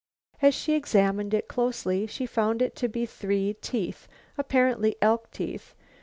As she examined it closely, she found it to be three teeth, apparently elk teeth.